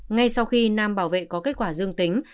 ngay sau khi nam bảo vệ có kết quả dương tính